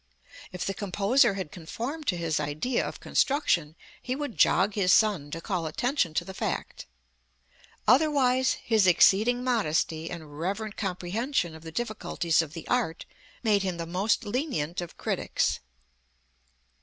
If the composer had conformed to his idea of construction he would jog his son to call attention to the fact. Otherwise, his exceeding modesty and reverent comprehension of the difficulties of the art made him the most lenient of critics.